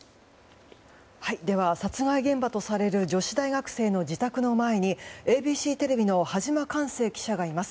では殺害現場とされる女子大学生の自宅の前にＡＢＣテレビの羽島寛成記者がいます。